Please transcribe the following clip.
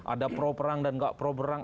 ada pro perang dan nggak pro perang